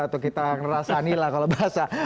atau kita ngerasani lah kalau bahasa